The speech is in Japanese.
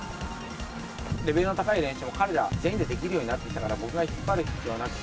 レベルの高い練習も、彼ら全員でできるようになってきたから、僕が引っ張る必要なくて。